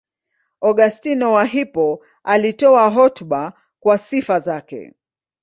Augustino wa Hippo alitoa hotuba kwa sifa yake.